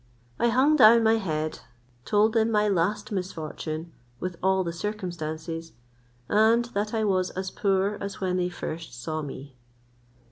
I hung down my head, told them my last misfortune, with all the circumstances, and that I was as poor as when they first saw me.